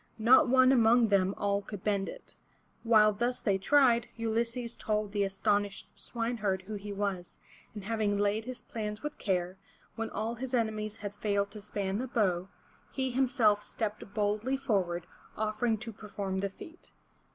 Not one among them all could bend it. While thus they tried, Ulysses told the astonished swineherd who he was, and having laid his plans with care, when all his enemies had failed to span the bow, he himself stepped boldly forward, offering to perform the feat.